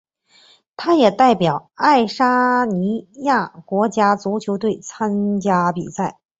他也代表爱沙尼亚国家足球队参加比赛。